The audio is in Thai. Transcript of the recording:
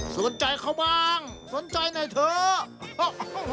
สนใจเขาบ้างสนใจหน่อยเถอะ